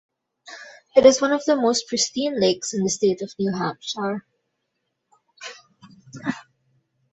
It is one of the most pristine lakes in the state of New Hampshire.